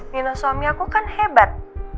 mino suami aku kan hebat